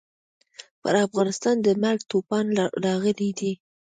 پر افغانستان د مرګ توپان راغلی دی.